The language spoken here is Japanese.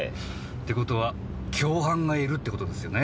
っていう事は共犯がいるって事ですよね。